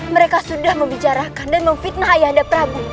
mereka sudah membicarakan dan memfitnah ayah anda prabu